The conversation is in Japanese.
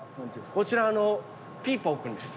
こちらピーポーくんです。